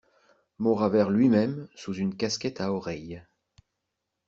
Mauravert lui-même, sous une casquette à oreilles.